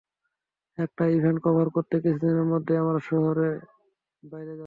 একটা event cover করতে কিছুদিনের মধ্যেই আমরা শহরের বাইরে যাচ্ছি।